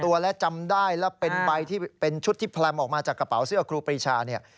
๖ตัวและจำได้และเป็นชุดที่แพร่มออกมาจากกระเป๋าเสื้อครูปรีชา